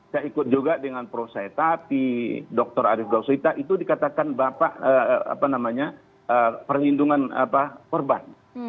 saya ikut juga dengan prof seta dr arief gauswita itu dikatakan bapak perlindungan korban